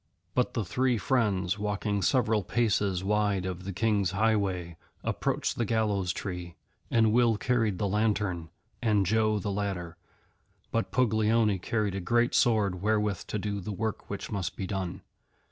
But the three friends, walking several paces wide of the King's highway, approached the Gallows Tree, and Will carried the lantern and Joe the ladder, but Puglioni carried a great sword wherewith to do the work which must be done.